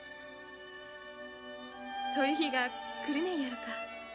そういう日が来るねんやろか。